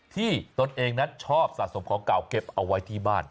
ตนเองนั้นชอบสะสมของเก่าเก็บเอาไว้ที่บ้าน